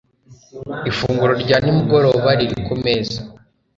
ifunguro rya nimugoroba riri kumeza